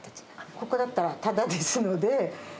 ここだったらただですので。